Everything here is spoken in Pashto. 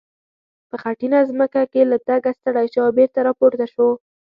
په خټینه ځمکه کې له تګه ستړی شو او بېرته را پورته شو.